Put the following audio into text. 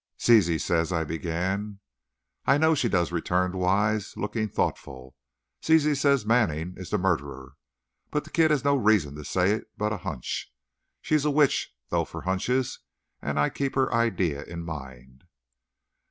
"Zizi says " I began. "I know she does," returned Wise, looking thoughtful. "Zizi says Manning is the murderer. But the kid has no reason to say it but a hunch. She's a witch though for hunches, and I keep her idea in mind."